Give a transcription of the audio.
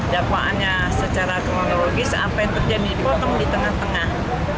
dakwaannya secara kronologis sampai terjadi dipotong di tengah tengah